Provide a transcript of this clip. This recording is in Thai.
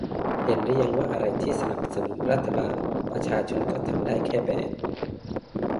เห็นหรือยังว่าอะไรที่สนับสนุนรัฐบาล ประชาชนก็ทำได้แค่ แบน